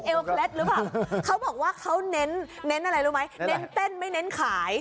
เอ็วเพล็ดรึกับเขาบอกว่าเขาเน้นเน้นอะไรรู้ไหมเน่นต้นไม่เน่นขาย